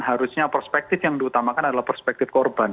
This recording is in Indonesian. harusnya perspektif yang diutamakan adalah perspektif korban